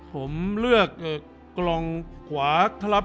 ผมเลือกกล่องขวาครับ